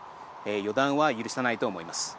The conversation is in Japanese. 予断は許さないと思います。